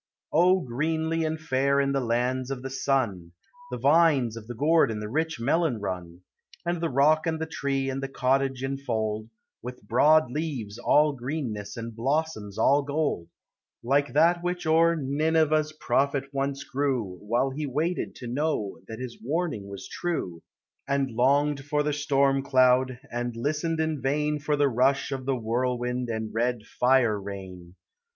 O, greenly and fair in the lands of the sun, The vines of the gourd and the rich melon run, And the rock and the tree and the cottage enfold, With broad leaves all greenness and blossoms all gold, • Like that which o'er Nineveh's prophet once grew, While he waited to know that his warning was true, And longed for the storm cloud, and listened in vain For the rush of the whirlwind and red fire rain.